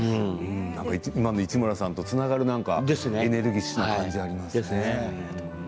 今の市村さんとつながるエネルギッシュな感じがありますね。